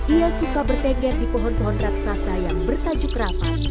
ia suka berteger di pohon pohon raksasa yang bertajuk rapat